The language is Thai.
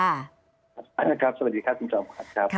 สวัสดีครับสวัสดีครับคุณผู้ชมค่ะ